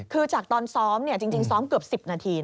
คือจากตอนซ้อมจริงซ้อมเกือบ๑๐นาที